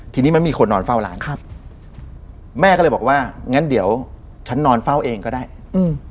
ทีนี้มันมีคนนอนเฝ้าร้านครับแม่ก็เลยบอกว่างั้นเดี๋ยวฉันนอนเฝ้าเองก็ได้อืม